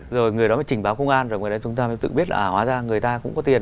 rồi người đó mới trình báo công an rồi người đó mới tự biết là hóa ra người ta cũng có tiền